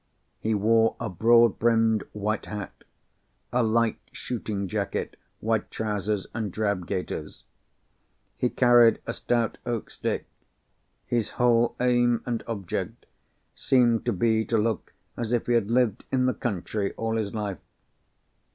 He wore a broad brimmed white hat, a light shooting jacket, white trousers, and drab gaiters. He carried a stout oak stick. His whole aim and object seemed to be to look as if he had lived in the country all his life.